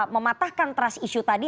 mematahkan trust issue tadi